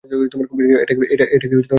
এটা কি বিনোদন পার্ক?